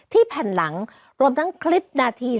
แผ่นหลังรวมทั้งคลิปนาที